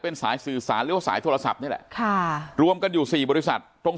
เป็นสายสื่อสารหรือว่าสายโทรศัพท์นี่แหละค่ะรวมกันอยู่สี่บริษัทตรง